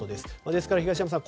ですから、東山さん